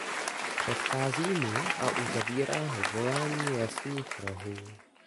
Předchází mu a uzavírá ho volání lesních rohů.